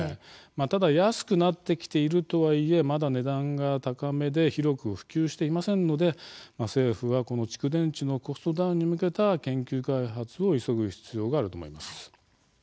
ただ安くなってきているとはいえまだ値段が高めで広く普及していませんので政府は蓄電池のコストダウンに向けた研究開発を急ぐ必要があると思います。